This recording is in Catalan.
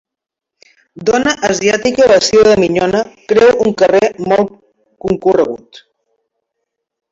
Dona asiàtica vestida de minyona creu un carrer molt concorregut.